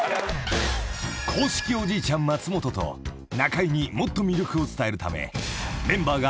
［公式おじいちゃん松本と中居にもっと魅力を伝えるため］